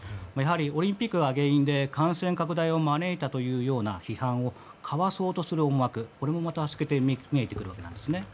オリンピックが原因で感染拡大を招いたという批判をかわそうとする思惑も透けて見えるわけなんですね。